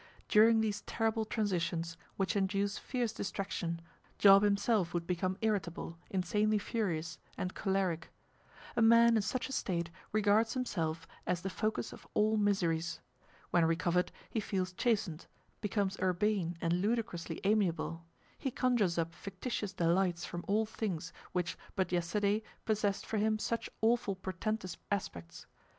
During these terrible transitions, which induce fierce distraction, Job himself would become irritable, insanely furious, and choleric. A man in such a state regards himself as the focus of all miseries. When recovered, he feels chastened, becomes urbane and ludicrously amiable, he conjures up fictitious delights from all things which, but yesterday, possessed for him such awful portentous aspects.